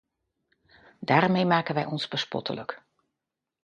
Daarmee maken wij ons bespottelijk.